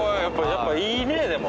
やっぱいいねでも。